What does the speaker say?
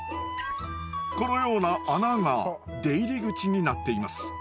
このような穴が出入り口になっています。